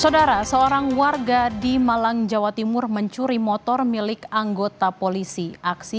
saudara seorang warga di malang jawa timur mencuri motor milik anggota polisi aksi